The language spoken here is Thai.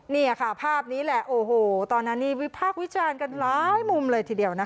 นี่ค่ะภาพนี้แหละโอ้โหตอนนั้นนี่วิพากษ์วิจารณ์กันหลายมุมเลยทีเดียวนะคะ